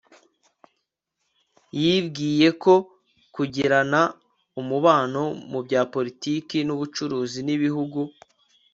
yibwiye ko kugirana umubano mu bya politiki n'ubucuruzi n'ibihugu